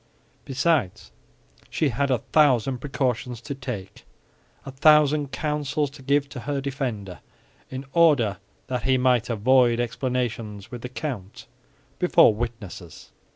Besides, she had a thousand precautions to take, a thousand counsels to give to her defender, in order that he might avoid explanations with the count before witnesses.